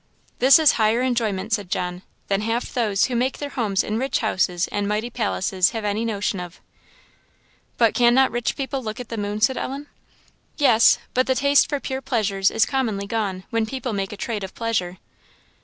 "This is higher enjoyment," said John, "than half those who make their homes in rich houses and mighty palaces have any notion of." "But can not rich people look at the moon?" said Ellen. "Yes, but the taste for pure pleasures is commonly gone, when people make a trade of pleasure."